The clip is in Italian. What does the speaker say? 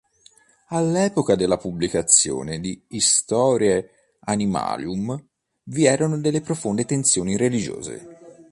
All'epoca della pubblicazione di "Historiae animalium" vi erano delle profonde tensioni religiose.